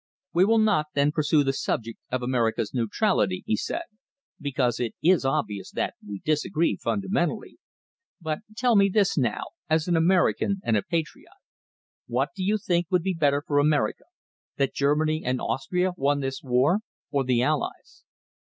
"We will not, then, pursue the subject of America's neutrality," he said, "because it is obvious that we disagree fundamentally. But tell me this, now, as an American and a patriot. Which do you think would be better for America That Germany and Austria won this war, or the Allies?"